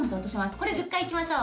これ１０回いきましょう。